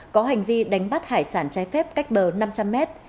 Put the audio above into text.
có hành vi đánh bắt hải sản trái phép cách bờ năm trăm linh mét